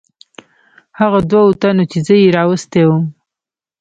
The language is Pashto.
هغو دوو تنو چې زه یې راوستی ووم.